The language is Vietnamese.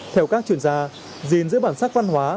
theo các chuyên gia diện giữa bản sắc văn hóa